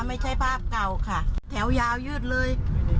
ไม่ใช่ภาพเก่าค่ะแถวยาวยืดเลย